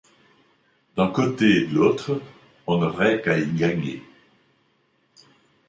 D’un côté et de l’autre, on n’aurait qu’à y gagner.